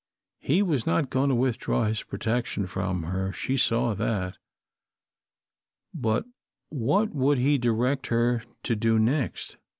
He was not going to withdraw his protection from her, she saw that, but what would he direct her to do next?